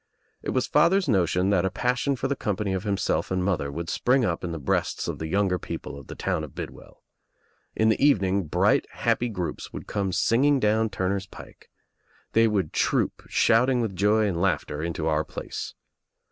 It was father's notion that a passion for the company of himself and mother would spring up in the breasts of the younger people of the town of Bidwell. In the even ing bright happy groups wou)d come singing down Turner's Pike. They would troop shouting with joy and laughter into our place.